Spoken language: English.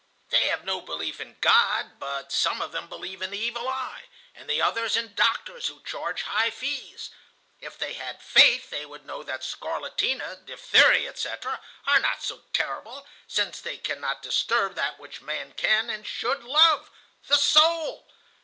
They have no belief in God, but some of them believe in the evil eye, and the others in doctors who charge high fees. If they had faith they would know that scarlatina, diphtheria, etc., are not so terrible, since they cannot disturb that which man can and should love,—the soul.